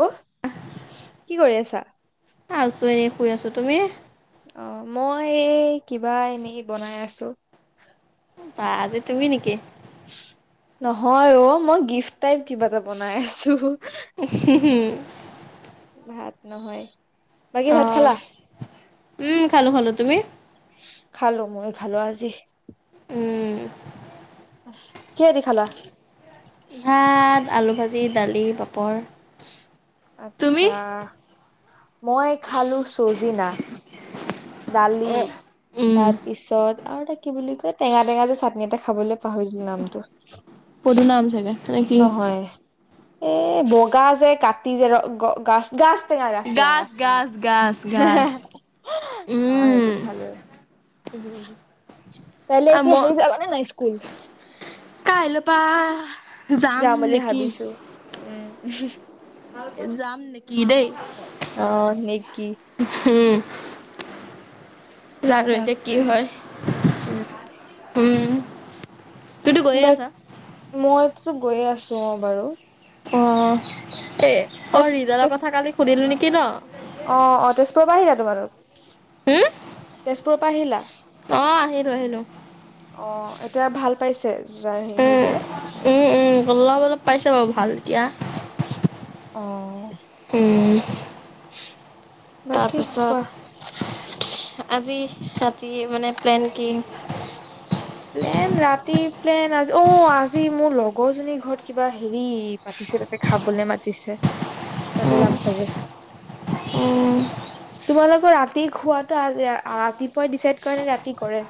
ল্ল। কি কৰি আছা? এহ আছোঁ, এনে শুই আছোঁ। তুমি? অহ। মই এই কিবা এনেকেই বনাই আছোঁ। বা। আজি তুমি নেকি? নহয় অ। মই গিফ্ট টাইপ কিবা এটা বনাই আছোঁ। উহ্ হুম হুম। ভাত নহয়। বাকী ভাত খালা? উম খালো খালো। তুমি? খালোঁ। মইয়ো খালো আজি। উম। কিহেদি খালা? ভাত, আলু ভাজি, দালি, পাপৰ। তুমি আচ্ছা। মই খালোঁ চজিনা। দালি, উম তাৰ পিছত, আৰু এটা কি বুলি কয়, টেঙা টেঙা যে চাটনি এটা খাবলৈ, পাহৰিলোঁ নামটো। পদুনা, আম চাগে, তেনে কি? এহ বগা যে কাট টি যে ৰ গ গাছ গাছ টেঙা গাজ টেঙা গাছ গাজ টেঙা গাছ গাছ হে হে গাছ অ উম সেইটো খালো। কাইলে আ এতিয়া মই হেৰি যাবা নে নাই স্কুল? কাইলৈ পা যাম বুলি ভাবিছো, উম। যাম নেকি দেই, অ' নেকি? হুম। জানো এতিয়া তাকে। কি হয়। উম হুম। বাট, মই গৈয়ে আছোঁ অ'! বাৰু। অ'! এ, তেজ অ'! ৰিজাল্টৰ তেজ কথা কালি সুধিলো নেকি? কি ন'? অ'! অ'! তেজপুৰৰ পৰা আহিলা তোমালোক? তেজপুৰত পা আহিলা? অ'! আহিলোঁ, আহিলোঁ। অ'! এতিয়া ভাল পাইছে? যাৰ হেৰি উম হৈছিলে? উম উম অলপ, অলপ পাইছে বাৰু ভাল এতিয়া। অঁ! উম! [inaudible] বাকী কোৱা? তাৰপিছত, আজি ৰাতি মানে প্লেন কি? প্লেন ৰাতি প্লেন আজি অ'! আজি মোৰ লগৰ জনীৰ ঘৰত কিবা হেৰি, পাতিছে তাতে খাবলে মাতিছে, তাতে যাম চাগে। তোমালোকৰ ৰাতি খোৱাতো আগ ৰাতিপুৱাই ডিচাইড কৰে নে ৰাতি কৰে?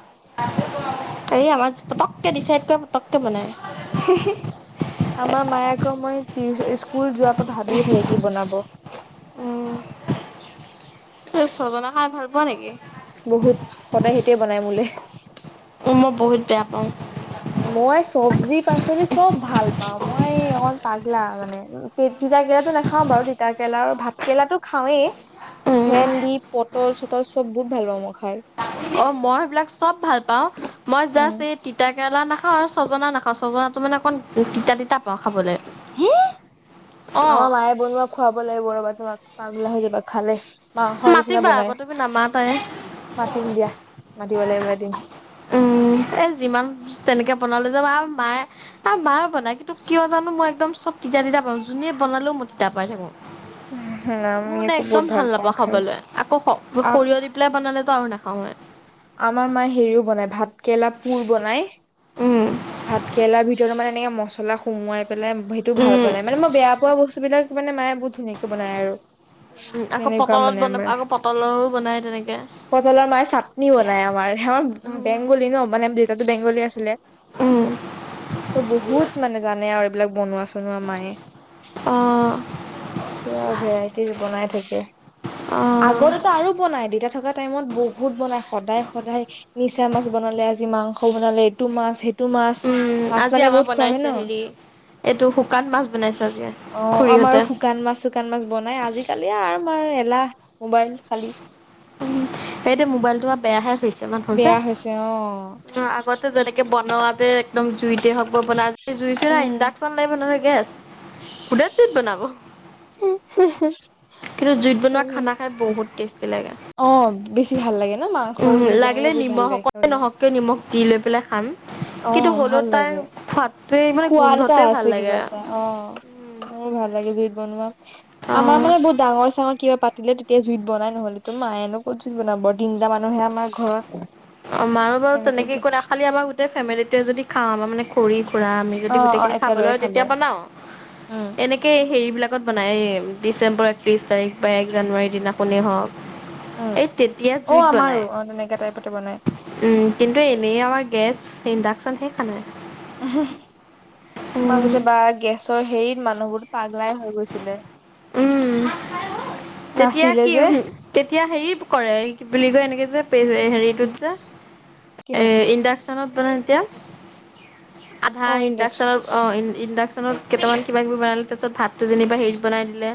এই আমাৰ পটককে ডিচাইড কৰে পটককে বনায়। হি! হি! আমাৰ মায়ে আকৌ মই টিউ স্কুল যোৱাৰ পৰা ভাবিয়ে থাকে কি বনাব। ছজনা খাই ভাল পোৱা নেকি? বহুত, সদায় সেইটোৱে বনাই মোলে। মই বহুত বেয়া পাওঁ। মই চবজি পাচলি চব ভাল পাওঁ। মই অকণ পাগলা মানে, তিতা কেৰেলাটো নাখাওঁ বাৰু, তিতা কেৰেলা আৰু ভাত কেৰেলাটো খাওঁৱেই ভেন্দি, পটল চটল চব বহুত ভাল পাওঁ মই খাই। অ'! মই সেইবিলাক চব ভাল পাওঁ। মই উম জাষ্ট এই তিতা কেৰেলা নাখাওঁ আৰু ছজনা নাখাওঁ। ছজনা ত' মানে অকণ তিতা তিতা পাওঁ খাবলৈ হে? অঁ আমাৰ মায়ে বনোৱা খুৱাব লাগিব ৰ তোমাক, পাগলা হৈ যাবা খালে। মাংসৰ নিচিনা মাতিবা বনাই আকৌ তুমি নামাতাই? মাতিম দিয়া মাতিব লাগিব এদিন উম, এ, যিমান তেনেকে বনালে মায়ে আৰু মায়ে বনায়। কিন্তু, কিয় জানোঁ মই একদম চব তিতা তিতা পাওঁ, যোনে বনালেও মই তিতা পাই থাকোঁ। মোৰ আমি মানে আকৌ একদম বহুত ভাল পাওঁ। নাপাওঁ খাই খাবলৈ, আকৌ স আ সৰিয়হ দি পেলাই বনালে আৰু নেখাওঁ মই। আমাৰ মায়ে হেৰিও বনায়, ভাত কেৰেলাৰ পুৰ বনাই। উম, ভাত কেৰেলাৰ ভিতৰত মানে, এনেকে মছলা সোমোৱাই পেলাই সেইটো ভাল উম, বনাই, মানে মই, বেয়া পোৱা বস্তু বস্তু বিলাক মানে, মায়ে বহুত ধুনিয়াকে বনায় আৰু। উম, আকৌ তেনেকুৱা পটলত মানে বনাব আমাৰ, আকৌ পটলৰো বনাই তেনেকে। পটলৰ মায়ে চাটনি বনাই আমাৰ, আমাৰ উম, বেংগলী ন' মানে তাতো বেংগলী আছিলে। উম, চ বহুত মানে জানে আৰু এইবিলাক বনোৱা চনোৱা মায়ে। অ', পুৰা ভেৰাইটিজ বনাই থাক [unintelligible] অ', আগতেটো আৰু বনাই দেতা থকাত টাইমত বহুত বনাই সদায় সদায় মিছা মাছ বনালে আজি, মাংস বনালে, এইটো মাছ, সে টো মাছ উম, মাছ আজি মানে আমাৰ বহুত খোৱা হয় ন। বনাইছে হেৰি এইটো শুকান মাছ বনাইছে আজি অঁ আমাৰ খুৰীহঁতে। শুকান মাছ চোকান মাছ বনাই আজিকালি আমাৰ এলাহ, মোবাইল খালী। উম এটো মোবাইলটো আ বেয়াহে হৈছে ইমান বেয়া হৈছে অ [unintelligible] আগতে যেনেকে বনোৱা তে একদম জুইতে হওক বা [unintelligible] যদি জুই চুই নাই ইণ্ডাকশচন লাগিব নহ গেছ [unintelligible] জুইত বনাব। কিন্তু জুইত বনোৱা খানা খাই বহ টেষ্টি লাগে। অঁ, বেছি ভাল লাগে। ন মাংসও উম জুইত বনালে লাগিলে বহুত ভাল নিমখ লাগে অকণে খাবলৈ নহওঁক কিয় নিমখ দি লৈ পেলাই খাম অ কিন্তু হ'লেও ভাল তাৰ লাগে খোৱা সোৱাদ এটা আছে কিবা এটা অঁ। মোৰ ভাল লাগে জুইত বনোৱা। অ আমাৰ মানে বহুত ডাঙৰ চাঙৰ কিবা পাতিলে তেতিয়া জুইত বনাই নহলেতো মায়েনো ক'ত জুত বনাব? তিনিটা মানুহহে আমাৰ। ঘৰত আমাৰো বাৰু তেনেকে একো নাই খালি আমাৰ গোটেই ফেমিলিটোৱে যদি [unintelligible] মানে খৰিত পুৰা আমি অ যদি অ গোটেইখিনি খাব একেলগে লয় খালে তেতিয়া বনাও, উম এনেকেই হেৰি বিলাকত বনায় ডিচেম্বৰ একত্ৰিছ তাৰিখ বা এক জানুৱাৰীৰ দিনাখনেই হওক উম, এই তেতিয়া অঁ জুইত আমাৰো বনায় অঁ তেনেকা টাইপত বনায় উম কিন্তু এনেই আমাৰ গেছ, ইণ্ডাকচন সেই খানাই। [unintelligible] মাজতে বা গেছ হেৰি মানুহবোৰটো পাগলাই হৈ গৈছিলে। উম' তেতিয়া নাছিলে কি যে তেতিয়া হেৰি কৰে। কি বুলি কয় এনেকে যে পেজ হেৰিটোত যে, কিহত এ ইণ্ডাকচনত [unintelligible] এতিয়া আধা অ ইণ্ডাকচন ইণ্ডাকচনৰ অঁ ইন ইণ্ডাক নত কেইটামান কিবা-কিবি বনালে তাৰ পিছত ভাত, তো যেনিবা হেৰিত বনাই দিলে।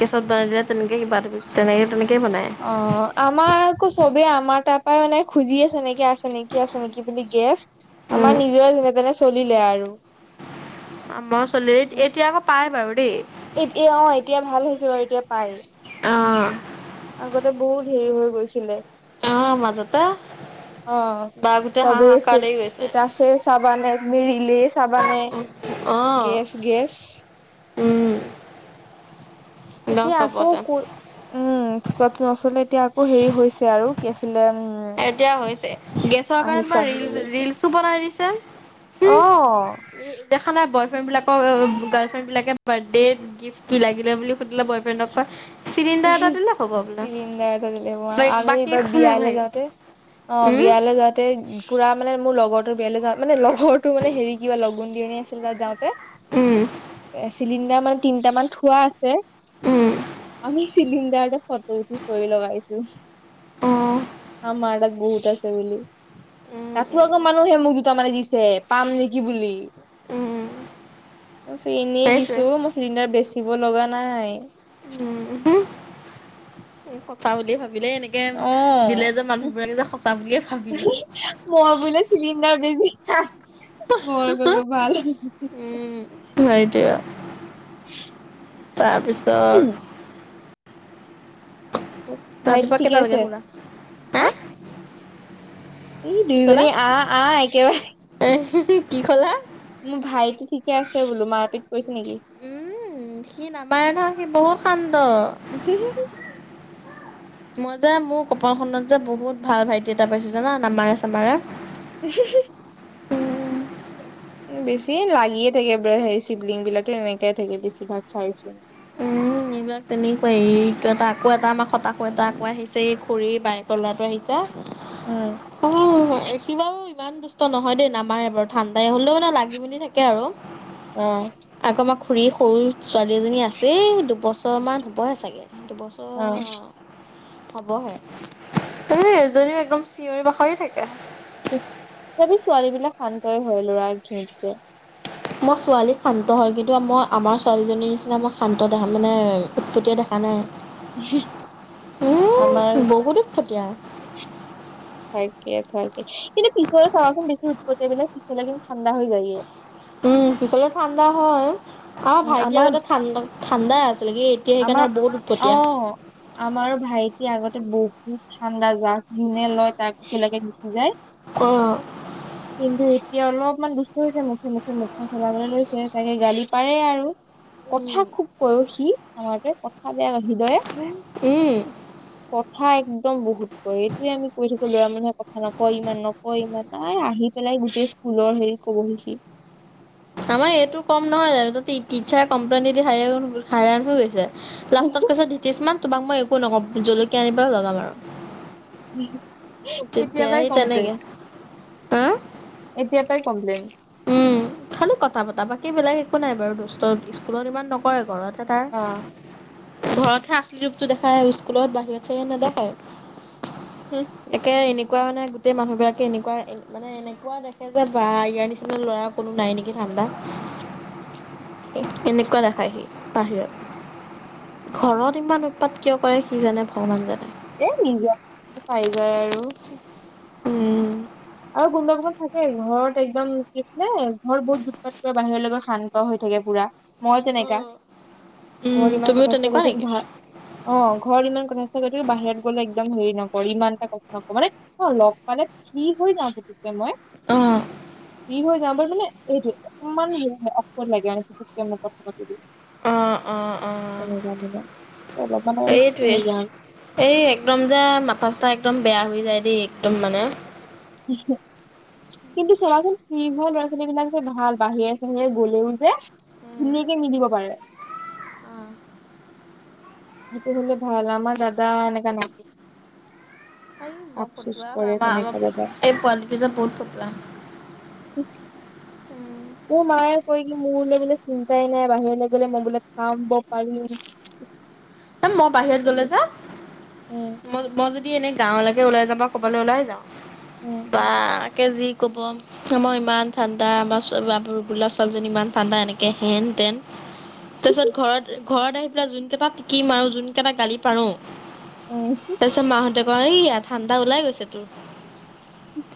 গেছত বনাই দিলে তেনেকে কিবা কিবি তেনেকে তেনেকেই বনায় অঁ' আমাৰ আকৌ চবেই আমাৰ তাৰপৰা মানে খুজি আছে নেকি, আছে নেকি, আছে নেকি বুলি গেছ। আমাৰ উম নিজৰে যেনে তেনে চলিলে আৰু। আমাৰ চলি এতিয়া আকৌ পাই বাৰু দেই। এতিয়া অঁ এতিয়া ভাল হৈছে বাৰু এতিয়া। পাই। অ আগতে বহুত হেই হৈ গৈছিলে। অ মাজতে অঁ' বা গোটেই চবেই হাহাকাৰ চে লাগি গৈছে ষ্টেটাচে চাবা নে তুমি ৰীলে চ চাবানে, অ গেছ-গেছ, উম। একদম এতিয়া আকৌ চবতে ক উম। টো আচলতে এতিয়া আকৌ হেৰি হৈছে আৰু কি আছিলে উম। এতিয়া হৈছে। গেছৰ কাৰণ আহিছে বা আহিব ধৰিছে ৰিলচ-ৰিলচো বনাই দিছে, অ উম, দেখা নাই ব বয়ফ্ৰেণ্ড বিলাকক গাৰ্লফ্ৰেণ্ড বিলাকে বাৰ্থডে গিফ্ট কি লাগিলে বুলি সুধিলে বয় ফ্ৰেণ্ডক কয় চিলিণ্ডাৰ এটা দিলে হ'ব বোলে। চিলিণ্ডাৰ লাগিলে হব আমি বাকী এইবাৰ একো বিয়ালৈ নালাগে। যাওঁ তে, অঁ উম, বিয়ালৈ যাতে পুৰা মানে মোৰ লগৰ তোৰ বিয়ালে যাওঁ মানে লগৰ তো মানে হেৰি কিবা লগুণদিয়নি আছিল তাত উম, যাওঁতে। চিলিন এ মানে তিনিটা মান থোৱা আছে। উম, আমি চিলিণ্ডাৰটা ফটো উঠি স্ত'ৰী লগাইচো অ', [unintelligible] বহুত আছে বুলি। উম, তাতো উম, আকৌ মানুহে মোক দুটা মান ৰী যে পাম নেকি বুলি। উম, মই এনেই সেইটোৱে দিছো অ' মোৰ চিলিণ্ডাৰ বেছি দিব লগা নাই। এই সঁচা বুলিয়ে ভাব দিলে এনেকে দিলে যে অ মানুহবিলাকে যে সঁচা বুলিয়ে ভাবি মই লয়। তাচ্। মোৰ খবৰ ভাল। উম, [inaudible] প্ৰা বিছাৰ তাৰপিছত ভাইটি ৰাতিপুৱা ঠিকে কেইটা লৈকে আছে শুলা? এই কি দুয়োজনী আহ আহ একেবাৰে। কি কি কলা? মোৰ ভাইটি ঠিকে আছে বোলো মাৰ পিত উম সি নাপায় নহ সি বহুত সান উম। মই যে মোৰ কপালখনত যে বহুত ভাল ভাইটি এটা পাইছো জানা নামাৰে চামাৰে। [inaudible] বেছি লাগিয়ে থাকে হেৰি চিভলিং বিলাকো এনেকাই থাকে বেছিভাগ চাইছো। উম, এইবিলাক তেনেকুৱায়ে এই এটা আকৌ এটা আমাৰ সটা আকৌ আহিছে এই খড়ীৰ বাইয়েকৰ ল'ৰাটো আহিছে। উম উম একেবাৰে ইমান দুষ্ট নহয় দেই নামাৰ বাৰু ঠাণ্ডাই হ'লেও মানে লাগি মেলি থাকে আৰু। উম। আকৌ আমাৰ খুৰীৰ সৰু ছোৱালী এজনী আছে দুবছৰ ছ'মান হ'বহে চাগে। দুবছৰ অ অহ। হবহে এজনীও একদম চিঞৰি বাখৰি থাকে। তথাপি ছোৱালী বিলাক শান্তই হয় ল'ৰা। মোৰ ছোৱালী শান্ত হয় কিন্তু মই আমাৰ ছোৱালীজনীৰ নিচিনা মই শান্ত দেখা মানে উৎপতটিয়া দেখা নাই। উম আমাৰ বহুত উত পটিয়া। তাকে তাকে কিন্তু পিছলৈ চাৱাচোন বেছি উৎপটিয়া বিলোক পিছলৈ কিন্তু ঠাণ্ডা হৈ যায়। উম পিছলে ঠাণ্ডা হয়। আমাৰ ভাইটি আগতে ঠাণ্ডা ঠাণ্ডা। আমাৰ অহ আমাৰ ভাইটি আগতে বহু। বহুত ঠাণ্ডা জাক যুনে লয় তাক‌ একেলগে গুচি যায়। অ। কিন্তু। এতিয়া অলপমান দুষ্ট হৈছে মুখে মুখে মুখখন চলাবলৈ লৈছে তাকে গালি পাৰে আৰু। কথা খুব কয় অ' সি। নহয় ৰে‌ কথাত। হুম [unintelligible] ম‌ই বহুত ক‌য় এইটোয়ে আমি কৈ থাকো। লৰা মানুহে কথা নকয় ইমান নকয় ইমান নাই আহি পেলাই গোটেই স্কুলৰ হেৰি কব সি। আমাৰ এইটো কম নহয় জানো তাতে টীছাৰে কমপ্লেইন দি দি হাইৰান হৈ গৈছে। লাষ্টত কৈছে ধ্ৰীতিস্মান তোমাক মই একো নক‌ওঁ জলকীয়া আনি পেলায় লগাম আৰু [inaudible] এতিয়া তেতিয়া পৰাই সি কমপ্লেইন তেনেকে অ ' এতিয়াৰ পৰাই কমপ্লেন। উম খালি কথা পতা বাকীবিলাক একো নাই বাৰু দুষ্ট স্কুলত ইমান নকৰে ঘৰত [unintelligible] তাৰ অ ঘৰতহে আচলি ৰূপটো দেখায়, স্কুলত বাহিৰত চাগে নেদেখায়। একে এনে এনেকুৱা মানে গোটেই মানুহ বিলাকে এনেকুৱা মানে এনেকুৱা দেখে যে বা ইয়াৰ নিচিনা ল'ৰা কোনো নাই নেকি ঠাণ্ডা। এনেকুৱা নাখায় সি। বাহিৰত ঘৰত ইমান উৎপাত কিয় কৰে সি জানে ভগৱান জানে। এ নিজা পাই যায় আৰু। উম [unintelligible] থাকে ঘৰত একদম কি আছিলে ঘৰত বহুত উৎপাত কৰে বাহিৰলৈ গৈ শান্ত হৈ থাকে পুৰা মই তেনেকা উম ঘৰত ইমান তুমিও কথা চথা তেনেকুৱা কৰি থাকে নেকি ভাল অ' ঘৰত ইমান। [unintelligible] বাহিৰত গ'লে একদম হেৰি নকৰে ইমান এটা কথা নকওঁ মানে লগ পালে ফ্ৰী [unintelligible] পুতুককে মই অ' [unintelligible] অ 'অ 'অ তেনেকা মানে অলপমান আৰু 'সেইটোৱে নিজান এই একদম যে মাথা চাথা একদম বেয়া হৈ যায় দেই একদম মানে। কিন্তু চাবাচোন ফ্ৰী হোৱা ল'ৰা ছোৱালী বিলাক যে ভাল বাহিৰে চাহিৰে গলেও যে উম। ধুনীয়াকে নিদিব পাৰে। অ সেইটো হলে ভাল আমাৰ দাদা এনেকা নাই। সেই বৰ আফচোচ ফটুৱা হয় কৰে তেনেকা দাদা আমাৰ এই পোৱালি যে বহুত ফটুৱা। কৈ কি মোৰলৈ বোলে চিন্তাই নাই বাহিৰলৈ গ'লে মই বোলে খাম পাৰিম [unintelligible] ও মই বাহিৰত গলো যে। উম মই। যদি এনে গাঁৱলৈকে ওলাই যওঁ ক'বালে ওলাই যাও। উম বা তাকে যি ক'ব মই ইমান ঠাণ্ডা আমাৰ গোলাপ চালজন ইমান ঠাণ্ডা এনেকে হেনতেন। তাৰ পিছত ঘৰত ঘৰত আহি পেলাই যোনকেই তাত কি মাৰো যোন কেইটা গালি পাৰো। উম তাৰ পাছত মা হতে এয়া ঠাণ্ডা ওলাই গৈছে তোৰ।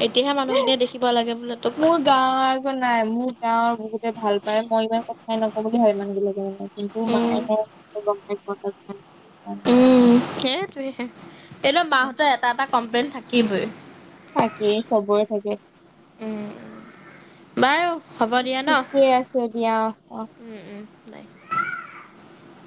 এতিয়াহে মানুহখিনিয়ে দেখিব লাগে বোলে তোক মোৰ গাঁৱৰ এজন নাই মোৰ গাঁৱৰ বহুত ভাল পায় মই ইমান কথাই নক'ম বুলি ভাবে মানুহ বিলাকে মানে [unintelligible] কিন্তু উম মায়ে মোক কব। এক [inaudible] হেথেৰি এইটো মা হতৰ এটা এটা কমপ্লেইন থাকিবই। থাকেই চবৰে থাকে উম বাৰু হ'ব দিয়া ন' ঠিকেই আছে দিয়া অ। নাই [unintelligible]